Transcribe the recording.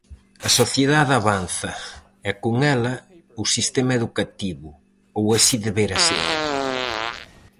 A sociedade avanza e, con ela o sistema educativo, ou así debera ser.